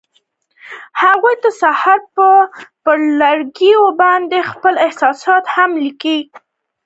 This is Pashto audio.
هغوی د سهار پر لرګي باندې خپل احساسات هم لیکل.